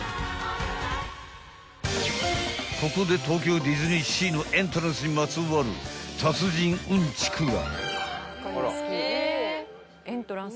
［ここで東京ディズニーシーのエントランスにまつわる達人うんちくが］